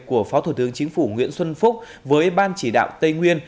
của phó thủ tướng chính phủ nguyễn xuân phúc với ban chỉ đạo tây nguyên